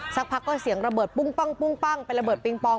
สักพักก็เสียงระเบิดปุ้งปั้งเป็นระเบิดปิงปอง